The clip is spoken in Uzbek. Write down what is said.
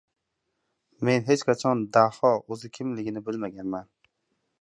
Men hech qachon daho o‘zi kimligini bilmaganman.